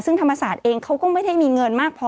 ซึ่งธรรมศาสตร์เองเขาก็ไม่ได้มีเงินมากพอ